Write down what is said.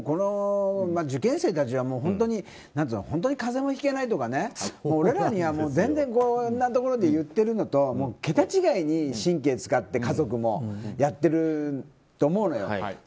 受験生たちはもう本当に風邪もひけないとか俺らには全然こんなところで言ってるのと桁違いに神経を使って家族もやってると思うのよ。